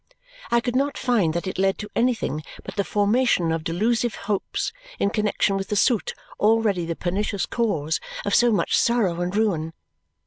I could not find that it led to anything but the formation of delusive hopes in connexion with the suit already the pernicious cause of so much sorrow and ruin.